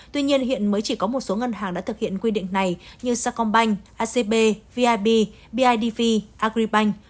tuy nhiên hiện mới chỉ có một số ngân hàng đã thực hiện quy định này như sacombank acb vip bidv agribank